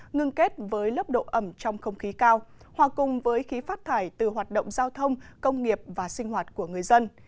ngưng kết với lớp độ ẩm trong không khí cao hòa cùng với khí phát thải từ hoạt động giao thông công nghiệp và sinh hoạt của người dân